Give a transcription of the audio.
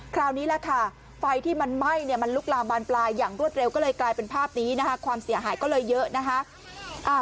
คราวนี้แหละค่ะไฟที่มันไหม้เนี่ยมันลุกลามบานปลายอย่างรวดเร็วก็เลยกลายเป็นภาพนี้นะคะความเสียหายก็เลยเยอะนะคะ